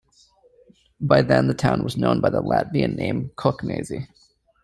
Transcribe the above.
By then the town was known by the Latvian name Koknese.